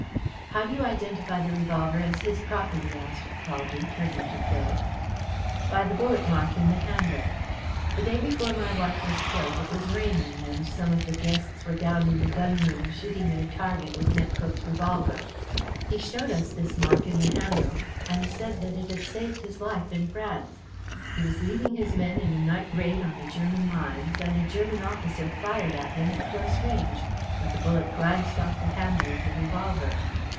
"How do you identify the revolver as his property?" asked Caldew, turning to Phil. "By the bullet mark in the handle. The day before my wife was killed it was raining, and some of the guests were down in the gun room shooting at a target with Nepcote's revolver. He showed us this mark in the handle, and said that it had saved his life in France. He was leading his men in a night raid on the German lines, and a German officer fired at him at close range, but the bullet glanced off the handle of the revolver."